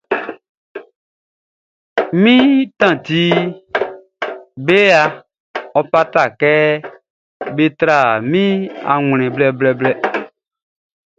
Min teddy bearʼn, ɔ fata kɛ be tra min awlɛn blɛblɛblɛ.